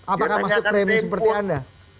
apakah masuk frame seperti anda